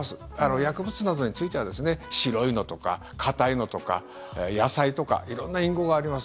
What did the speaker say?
薬物などについてはですね「白いの」とか「硬いの」とか「野菜」とか色んな隠語があります。